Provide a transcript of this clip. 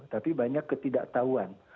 tapi banyak ketidaktahuan